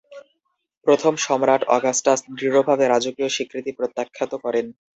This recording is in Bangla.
প্রথম সম্রাট, অগাস্টাস, দৃঢ়ভাবে রাজকীয় স্বীকৃতি প্রত্যাখ্যাত করেন।